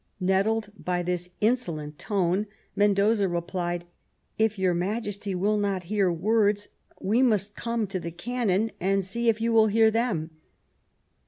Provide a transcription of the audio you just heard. Nettled by this insolent tone, Mendoza replied :" If your Majesty will not hear words, we must come to the cannon and see if you will hear them